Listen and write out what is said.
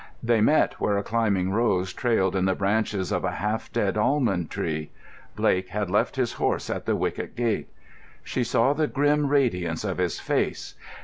They met where a climbing rose trailed in the branches of a half dead almond tree. Blake had left his horse at the wicket gate. She saw the grim radiance of his face.